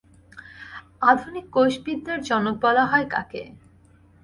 আধুনিক কোষবিদ্যার জনক বলা হয় কাকে?